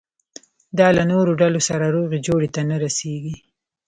دا له نورو ډلو سره روغې جوړې ته نه رسېږي.